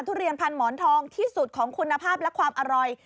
ทุเรียนพันหมอนทองที่สุดของคุณภาพและความอร่อย